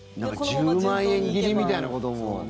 １０万円切りみたいなこともね。